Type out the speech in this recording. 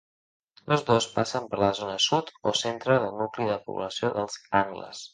Tots dos passen per la zona sud o centre del nucli de població dels Angles.